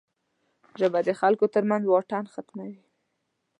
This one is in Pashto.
ژبه د خلکو ترمنځ واټن ختموي